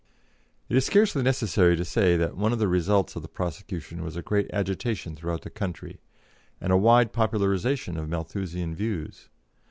It is scarcely necessary to say that one of the results of the prosecution was a great agitation throughout the country, and a wide popularisation of Malthusian views.